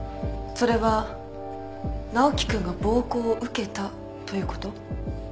それは直樹君が暴行を受けたということ？